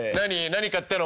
何買ったの？